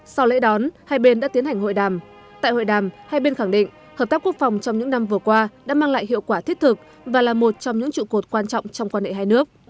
sau lễ đón hai bên đã tiến hành hội đàm tại hội đàm hai bên khẳng định hợp tác quốc phòng trong những năm vừa qua đã mang lại hiệu quả thiết thực và là một trong những trụ cột quan trọng trong quan hệ hai nước